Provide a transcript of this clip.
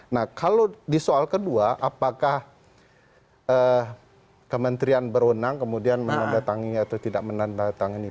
nah kalau di soal kedua apakah kementerian berunang kemudian menandatanginya atau tidak menandatanginya